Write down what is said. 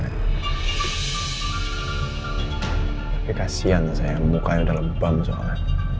tapi kasian lah saya muka yang udah lebam soalnya